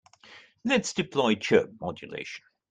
Let's deploy chirp modulation.